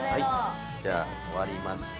じゃあ終わりました。